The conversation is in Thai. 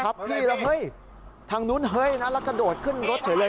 พี่แล้วเฮ้ยทางนู้นเฮ้ยนะแล้วกระโดดขึ้นรถเฉยเลย